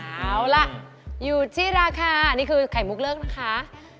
เอาล่ะอยู่ที่ราคานี่คือไข่มุกเลิกนะคะ